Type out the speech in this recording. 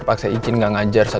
makasih ya mas